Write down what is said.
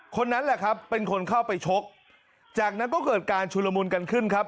คนนั้นแหละครับเป็นคนเข้าไปชกจากนั้นก็เกิดการชุลมุนกันขึ้นครับ